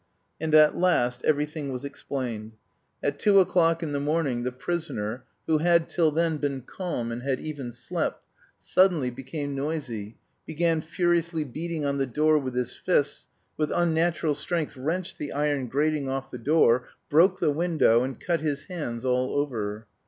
And at last everything was explained! At two o'clock in the morning the prisoner, who had till then been calm and had even slept, suddenly became noisy, began furiously beating on the door with his fists, with unnatural strength wrenched the iron grating off the door, broke the window, and cut his hands all over.